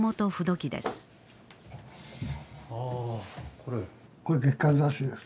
これ月刊雑誌です。